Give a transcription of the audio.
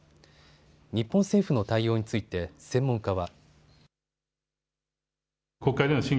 日本政府の対応について専門家は。